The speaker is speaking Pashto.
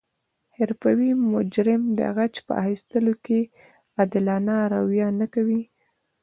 حرفوي مجرم د غچ په اخستلو کې عادلانه رویه نه کوي